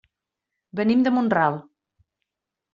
Venim de Mont-ral.